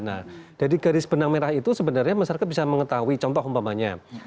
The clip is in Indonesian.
nah dari garis benang merah itu sebenarnya masyarakat bisa mengetahui contoh umpamanya